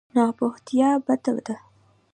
ناپوهتیا بده ده.